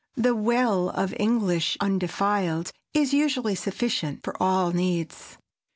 The "well of English undefiled" is usually sufficient for all needs.